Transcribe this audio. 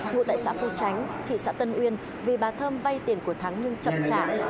ngụ tại xã phú tránh thị xã tân uyên vì bà thơm vay tiền của thắng nhưng chậm trả